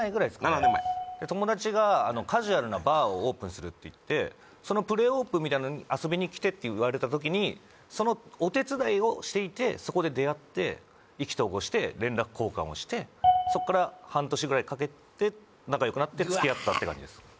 ７年前友達がカジュアルなバーをオープンするっていってそのプレオープンみたいなのに遊びに来てって言われた時にそのお手伝いをしていてそこで出会って意気投合して連絡交換をしてそっから半年ぐらいかけて仲良くなって付き合ったって感じです